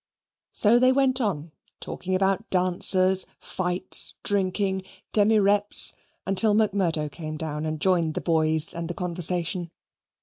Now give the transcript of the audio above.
So they went on talking about dancers, fights, drinking, demireps, until Macmurdo came down and joined the boys and the conversation.